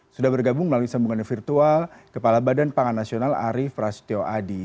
sudah bergabung melalui sambungan virtual kepala badan pangan nasional arief rasjidio adi